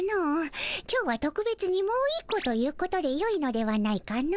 今日はとくべつにもう１個ということでよいのではないかの？